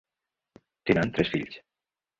Tenen tres fills.